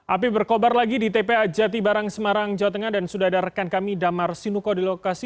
api berkobar lagi di tpa jati barang semarang jawa tengah dan sudah ada rekan kami damar sinuko di lokasi